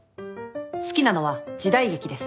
好きなのは時代劇です。